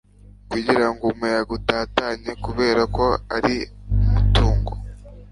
Kugira ngo umuyaga utatanye. Kubera ko ari umutungo